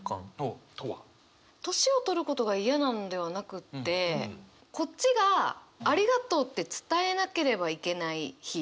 年をとることが嫌なんではなくってこっちが「ありがとう」って伝えなければいけない日。